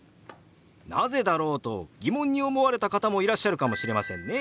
なぜだろうと疑問に思われた方もいらっしゃるかもしれませんね。